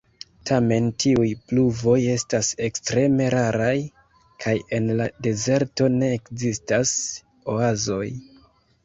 Tamen tiuj pluvoj estas ekstreme raraj, kaj en la dezerto ne ekzistas oazoj.